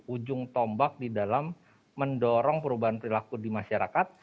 ujung tombak di dalam mendorong perubahan perilaku di masyarakat